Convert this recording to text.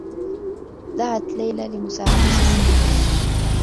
دعت ليلى لمساعدة سامي.